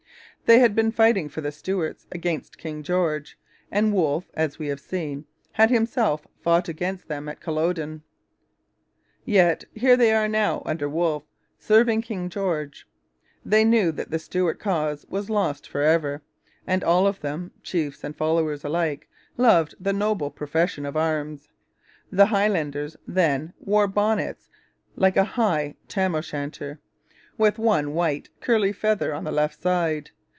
They had been fighting for the Stuarts against King George, and Wolfe, as we have seen, had himself fought against them at Culloden. Yet here they were now, under Wolfe, serving King George. They knew that the Stuart cause was lost for ever; and all of them, chiefs and followers alike, loved the noble profession of arms. The Highlanders then wore 'bonnets' like a high tam o' shanter, with one white curly feather on the left side.